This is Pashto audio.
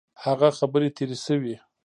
هغه خبري تیري سوې.